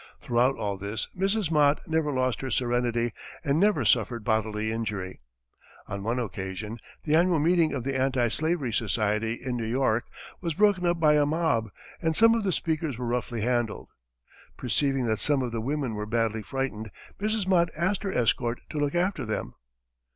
Throughout all this, Mrs. Mott never lost her serenity, and never suffered bodily injury. On one occasion, the annual meeting of the Anti Slavery Society, in New York, was broken up by a mob, and some of the speakers were roughly handled. Perceiving that some of the women were badly frightened, Mrs. Mott asked her escort to look after them.